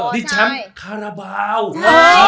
ดิชำคาราบาล